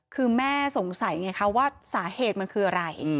คือแม่สงสัยไงคะว่าสาเหตุมันคืออะไร